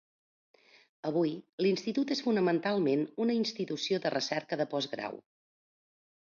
Avui, l'Institut és fonamentalment una institució de recerca de postgrau.